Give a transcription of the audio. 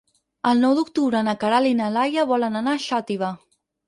El nou d'octubre na Queralt i na Laia volen anar a Xàtiva.